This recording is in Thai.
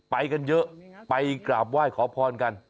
ไปกันเยอะไปกราบไหว้ขอพรกัน